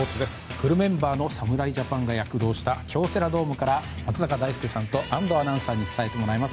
フルメンバーの侍ジャパンが躍動した京セラドームから松坂大輔さんと安藤アナウンサーに伝えてもらいます。